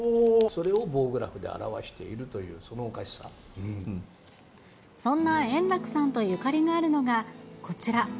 それを棒グラフで表しているそんな円楽さんとゆかりがあるのが、こちら。